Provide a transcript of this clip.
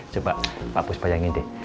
coba pak bus bayangin deh